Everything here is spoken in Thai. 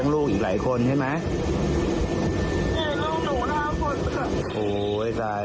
ตอนแรกแบ่งขับแม็กซี่ค่ะแล้วดูว่าอยู่หลังสภา